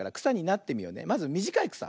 まずみじかいくさ。